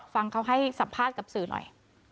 ฟังเขาให้สัมภาษณ์กับสื่อหน่อย